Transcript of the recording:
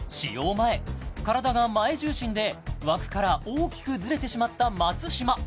体が前重心で枠から大きくずれてしまった松嶋